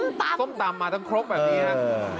ส้มตำส้มตำมาตั้งครบครับอย่างนี้ครับ